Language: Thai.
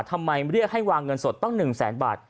ทำไมเรียกให้วางเงินสดตั้ง๑แสนบาท